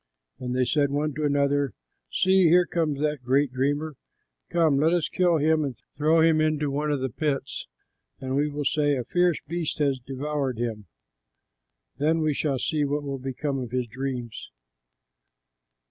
And they said one to another, "See, here comes that great dreamer! Come, let us kill him and throw him into one of the pits, and we will say, 'A fierce beast has devoured him.' Then we shall see what will become of his dreams!"